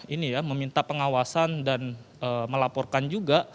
ini ya meminta pengawasan dan melaporkan juga